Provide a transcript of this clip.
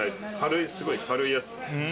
すごい軽いやつ。